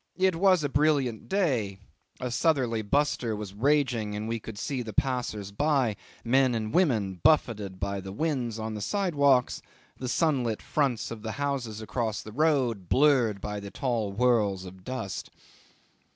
It was a brilliant day; a southerly buster was raging, and we could see the passers by, men and women, buffeted by the wind on the sidewalks, the sunlit fronts of the houses across the road blurred by the tall whirls of dust.